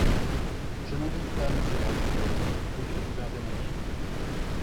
Je n’en doute pas, monsieur le rapporteur, vous qui pouvez en témoigner.